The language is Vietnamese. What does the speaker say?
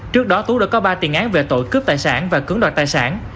trước đó tú đã có ba tiền án về tội cướp tài sản và cưỡng đoạt tài sản